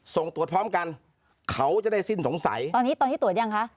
ส่งตรวจพร้อมกันเขาจะได้สิ้นสงสัยตอนนี้ตอนที่ตรวจยังคะ